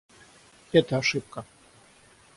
Это ошибка.